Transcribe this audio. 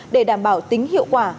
để đảm bảo tính hiệu quả